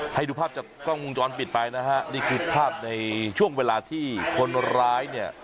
ให้ดูภาพจากกล้องวงจรปิดไปนะฮะนี่คือภาพในช่วงเวลาที่คนร้ายเนี่ย